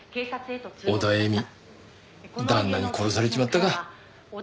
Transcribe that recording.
オダエミ旦那に殺されちまったか。